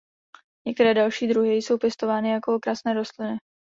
Některé další druhy jsou pěstovány jako okrasné rostliny.